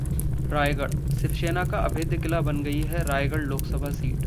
Raigad: Shiv Sena का अभेद किला बन गई है रायगढ़ लोक सभा सीट